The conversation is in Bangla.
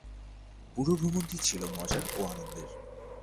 পুরো ভ্রমণটিই ছিল মজার ও আনন্দের।